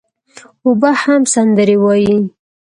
اوبه هم سندري وايي.